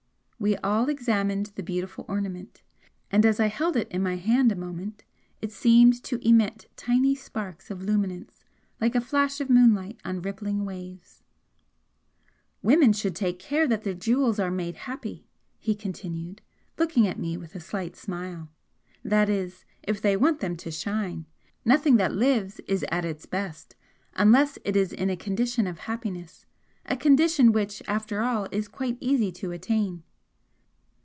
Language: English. We all examined the beautiful ornament, and as I held it in my hand a moment it seemed to emit tiny sparks of luminance like a flash of moonlight on rippling waves. "Women should take care that their jewels are made happy," he continued, looking at me with a slight smile, "That is, if they want them to shine. Nothing that lives is at its best unless it is in a condition of happiness a condition which after all is quite easy to attain."